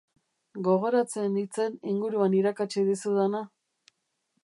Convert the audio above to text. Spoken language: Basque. Gogoratzen hitzen inguruan irakatsi dizudana?